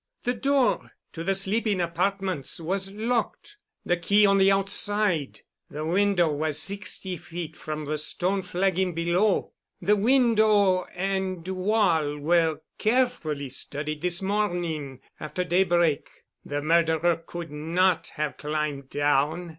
The door to the sleeping apartments was locked, the key on the outside, the window was sixty feet from the stone flagging below. The window and wall were carefully studied this morning after daybreak. The murderer could not have climbed down.